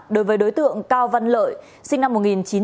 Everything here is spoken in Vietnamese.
đối với đối tượng cao văn lợi sinh năm một nghìn chín trăm chín mươi ba